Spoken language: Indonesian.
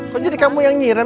kok jadi kamu yang ngirain